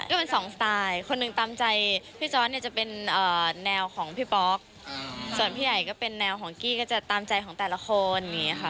ก็เป็น๒สไตล์คนหนึ่งตามใจพี่จอสจะเป็นแนวของพี่ป๊อกส่วนพี่ใหญ่ก็เป็นแนวของกี้ก็จะตามใจของแต่ละคน